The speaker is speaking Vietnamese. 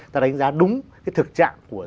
ta đánh giá đúng cái thực trạng của